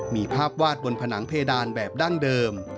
มีภาพวาดบนผนังเพดานแบบดั้งเดิม